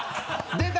出た！